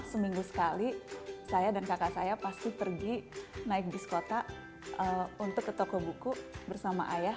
seminggu sekali saya dan kakak saya pasti pergi naik bis kota untuk ke toko buku bersama ayah